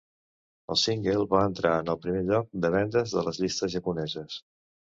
El single va entrar en el primer lloc de vendes de les llistes japoneses.